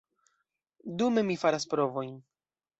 Dume, mi faras provojn.